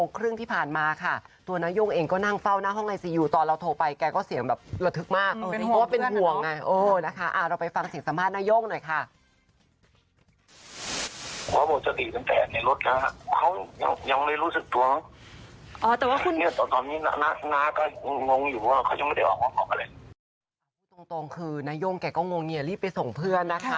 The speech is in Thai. ตรงคือนาย่งแกก็งวงเงียรีบไปส่งเพื่อนนะคะ